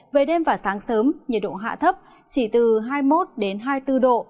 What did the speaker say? về đêm và sáng sớm nhiệt độ hạ thấp chỉ từ hai mươi một hai mươi bốn độ